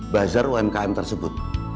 bazar umkm tersebut